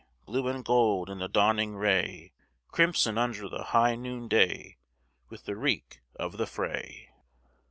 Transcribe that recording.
Blue and gold in the dawning ray, Crimson under the high noonday With the reek of the fray!